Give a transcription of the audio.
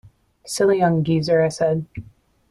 "Silly young geezer," I said.